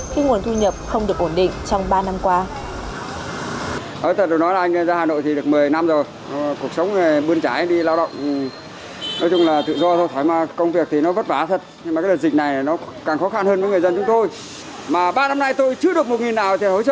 khi nguồn thu nhập không được ổn định trong ba năm qua